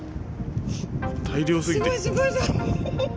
大量すぎて。